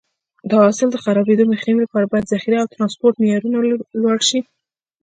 د حاصل د خرابېدو مخنیوي لپاره باید ذخیره او ټرانسپورټ معیارونه لوړ شي.